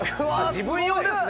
自分用ですね。